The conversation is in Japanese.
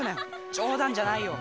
冗談じゃないよ